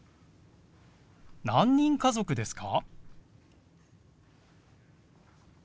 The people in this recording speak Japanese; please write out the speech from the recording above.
何人家族ですか？